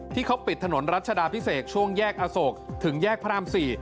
ที่เขาปิดของทหรัฐธรรมพิเศษช่วงแยกอศวรษถึงแยกพราม๔